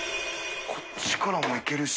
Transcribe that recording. こっちからもいけるし。